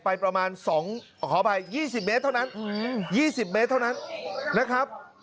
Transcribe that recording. ประมาณ๒ขออภัย๒๐เมตรเท่านั้น๒๐เมตรเท่านั้นนะครับ